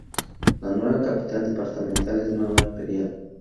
La nueva capital departamental es Nueva Imperial.